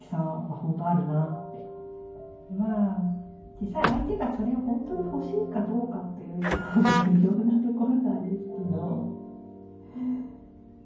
実際相手がそれを本当に欲しいかどうかっていうと微妙なところなんですけど。